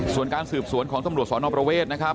ส่วนการสืบสวนของตำรวจสนประเวทนะครับ